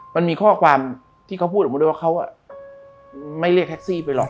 มันมีข้อความที่เขาพูดออกมาด้วยว่าเขาไม่เรียกแท็กซี่ไปหรอก